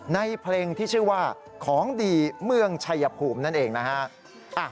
ในเพลงที่ชื่อว่าของดีเมืองชัยภูมินั่นเองนะฮะ